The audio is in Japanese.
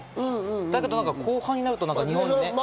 だけど後半になると日本がね。